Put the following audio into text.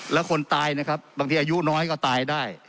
แล้วคนตายนะครับบางทีอายุน้อยก็ตายได้